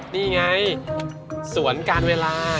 นี่ไงสวนการเวลา